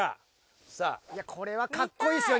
これはかっこいいっすよ